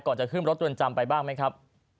ก่อนจะขึ้นรถเรือนจำไปบ้างไหมครับ